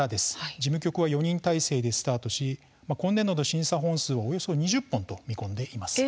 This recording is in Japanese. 事務局は４人体制でスタートし今年度の審査本数はおよそ２０本と見込んでいます。